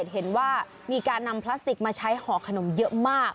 เห็นว่ามีการนำพลาสติกมาใช้ห่อขนมเยอะมาก